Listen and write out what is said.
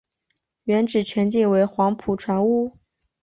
原址全境为黄埔船坞。